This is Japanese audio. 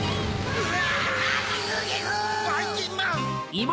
・うわ！